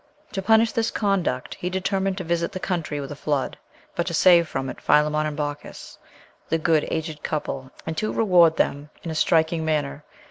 To punish this conduct he determined to visit the country with a flood, but to save from it Philemon and Baukis, the good aged couple, and to reward them in a striking manner.